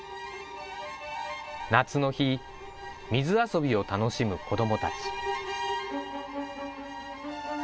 夏の日、水遊びを楽しむ子どもたち。